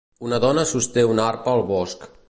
Una dona sosté una arpa al bosc.